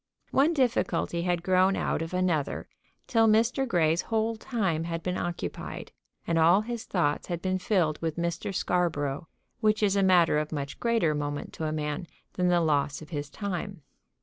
One difficulty had grown out of another till Mr. Grey's whole time had been occupied; and all his thoughts had been filled with Mr. Scarborough, which is a matter of much greater moment to a man than the loss of his time.